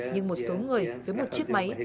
nhưng một số người với một chiếc máy